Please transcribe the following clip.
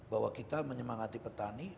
bahwa kita menyemangati petani